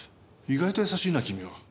意外とやさしいな君は。